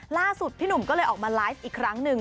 ล่าสุดพี่หนุ่มก็เลยออกมาไลฟ์อีกครั้งหนึ่ง